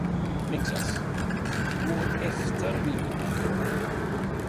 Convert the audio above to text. Niklas, gå efter bilderboken åt mig!